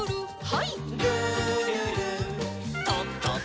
はい。